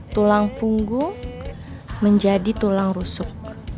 tulang punggung menjadi tulang rusuk